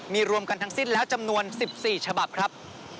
มีรวมกันทั้งสิ้นแล้วจำนวน๑๔ฉบับครับ